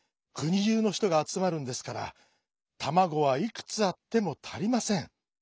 くにじゅうのひとがあつまるんですからたまごはいくつあってもたりません。